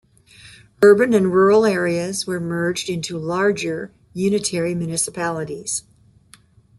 Urban and rural areas were merged into larger unitary municipalities.